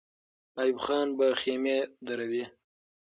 ایوب خان به خېمې دروي.